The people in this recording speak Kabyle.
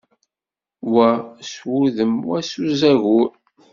Wa s wudem, wa s uzagur.